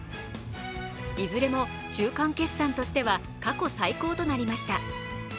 いずれも中間決算としては過去最高となりました。